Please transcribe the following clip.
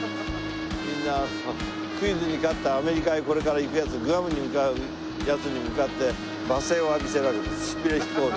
みんなクイズに勝ってアメリカへこれから行くヤツグアムに向かうヤツに向かって罵声を浴びせるわけです。